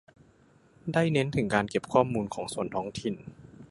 ได้เน้นถึงการเก็บข้อมูลของส่วนท้องถิ่น